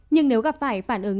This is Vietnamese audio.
nhưng nếu gặp phải phản ứng